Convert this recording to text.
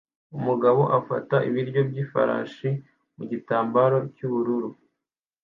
Umugabo afata ibiryo by'ifarashi mu gitambaro cy'ubururu